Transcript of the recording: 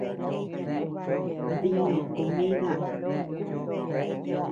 Díni comida.